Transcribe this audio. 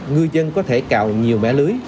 người dân có thể cào nhiều mẻ lưới